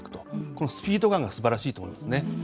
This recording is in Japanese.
このスピード感がすばらしいと思いますね。